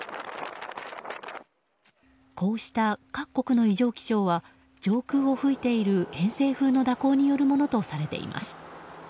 こうした各国の異常気象は上空を吹いている偏西風の蛇行によるものとされています。